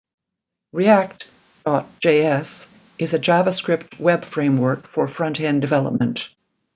React.js is a JavaScript web framework for frontend development.